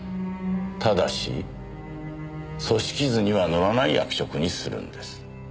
ただし組織図には載らない役職にするんです。